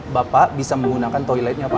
bapak bisa menggunakan toiletnya pak